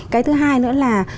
cái thứ hai nữa là